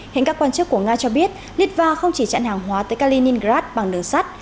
hiện các quan chức của nga cho biết litva không chỉ chặn hàng hóa tới kaliningrad bằng đường sắt